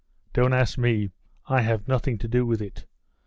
'Don't ask me; I have nothing to do with it.